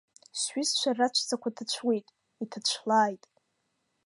Сҩызцәа раҵәцақәа ҭацәуеит, иҭацәлааит.